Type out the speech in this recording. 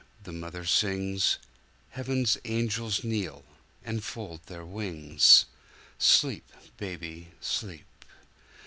The Mother sings:Heaven's angels kneel and fold their wings. Sleep, baby, sleep!